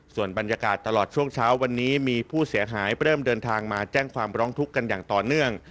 ส่วนบรรยากาศตลอดช่วงเช้าวันนี้มีผู้เสียหายเริ่มเดินทางมาแจ้งความร้องทุกข์กันอย่างต่อเนื่อง